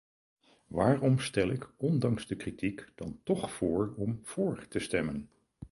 Waarom stel ik ondanks de kritiek dan toch voor om vóór te stemmen?